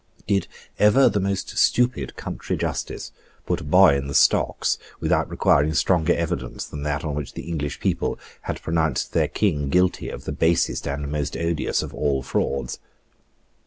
Did ever the most stupid country justice put a boy in the stocks without requiring stronger evidence than that on which the English people had pronounced their King guilty of the basest and most odious of all frauds?